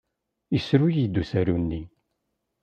Yessru-iyi-d usaru-nni.